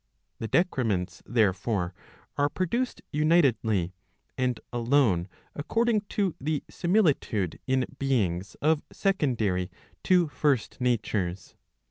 The decrements, therefore, are produced unitedly, and alone according to ' the similitude in beings of secondary to first natures.